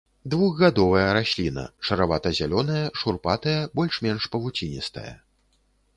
Двухгадовая расліна, шаравата-зялёная, шурпатая, больш-менш павуціністая.